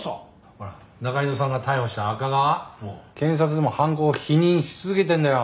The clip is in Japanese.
ほら仲井戸さんが逮捕した赤川検察でも犯行を否認し続けてるんだよ。